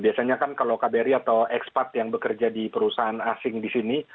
biasanya kan kalau kbri atau ekspat yang bekerja di perusahaan asing di sini